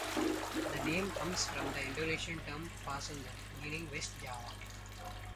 The name comes from the Indonesian term "Pasundan", meaning "West Java".